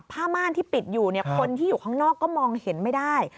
ม่านที่ปิดอยู่คนที่อยู่ข้างนอกก็มองเห็นไม่ได้